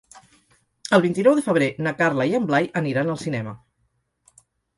El vint-i-nou de febrer na Carla i en Blai aniran al cinema.